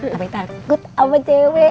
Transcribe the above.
tapi takut sama cewek